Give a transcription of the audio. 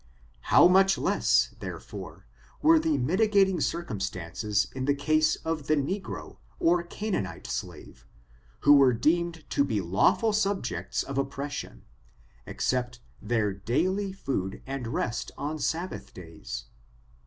How much less^ there fore, were there mitigating circumstances in the case of the negro, or Canaanite slave, who were deemed to be lawful subjects of oppression, except their daily food and rest on Sabbath days?